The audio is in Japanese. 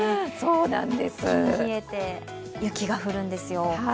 一気に冷えて雪が降るんですよ。